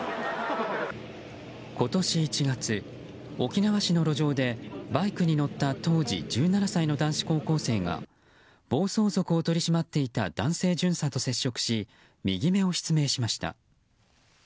今年１月、沖縄市の路上でバイクに乗った当時１７歳の男子高校生が暴走族を取り締まっていた男性巡査と接触し右目を失明しました。